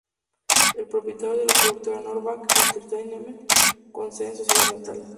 Es propietario de la productora North Bank Entertainment con sede en su ciudad natal.